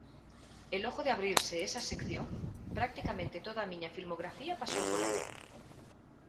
E logo de abrirse esa sección, practicamente toda a miña filmografía pasou por aí.